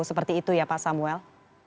seperti itu ya pak samuel